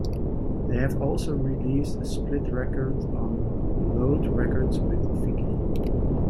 They have also released a split record on Load Records with Viki.